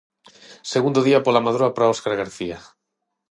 Segundo día pola Madroa para Óscar García.